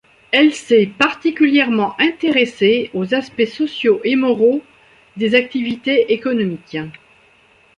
Elle s'est particulièrement intéressée aux aspects sociaux et moraux des activités économiques.